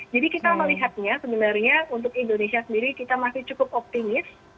jadi kita melihatnya sebenarnya untuk indonesia sendiri kita masih cukup optimis